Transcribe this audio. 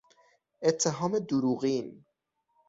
اتهام دروغین